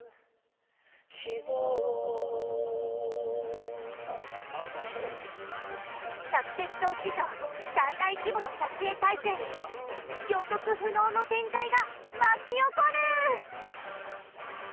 「希望」「サクセス荘」史上最大規模の撮影体制に予測不能の展開が巻き起こる！